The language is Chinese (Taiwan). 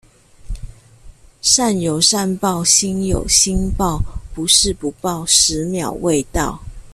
善有善報，星有星爆。不是不報，十秒未到